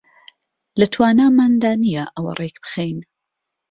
لە تواناماندا نییە ئەوە ڕێک بخەین